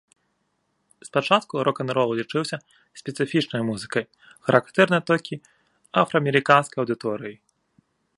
Спачатку рок-н-рол лічыўся спецыфічнай музыкай, характэрнай толькі афраамерыканскай аўдыторыі.